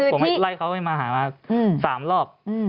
ผมไล่เขาให้มาหามา๓รอบ